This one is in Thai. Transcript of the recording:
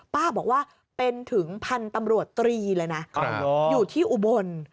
ป้าบอกว่าเป็นถึงพันธุ์ตำรวจตรีเลยนะอยู่ที่อุบล